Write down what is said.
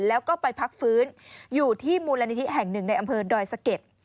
แล้วก็ไปพักฟื้นอยู่ที่หมู่กลานิธิแห่ง๑ในอำเภอดอยสเก็ต